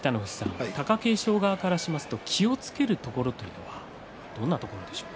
貴景勝側からすると気をつけるところというのはどんなところでしょうか。